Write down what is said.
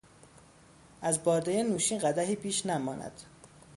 از بادهی نوشین قدحی بیش نماند...